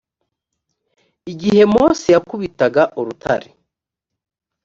igihe mose yakubitaga urutare